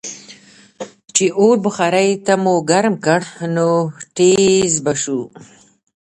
چې اور بخارۍ ته مو ګرم کړ نو ټیزززز به شو.